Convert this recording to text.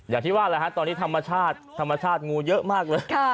อย่างที่ว่านะคะตอนนี้ธรรมชาติเยอะมากเลย